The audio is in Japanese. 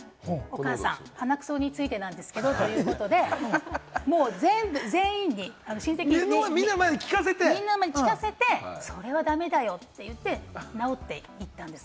お母さん、鼻くそについてなんですけれどもということで、もう全員に聞かせて、それは駄目だよ！って言って、直っていったんですよ。